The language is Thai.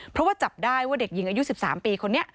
เพราะว่าจับได้ว่าเด็กหญิงอายุ๑๓ปีคนนี้